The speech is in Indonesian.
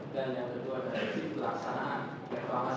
dan yang kedua adalah isi pelaksanaan reklama